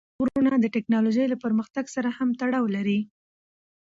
پابندي غرونه د تکنالوژۍ له پرمختګ سره هم تړاو لري.